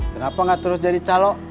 kenapa gak terus jadi calok